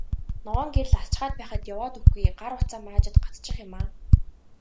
Ногоон гэрэл асчхаад байхад яваад өгөхгүй, гар утсаа маажаад гацчих юм аа.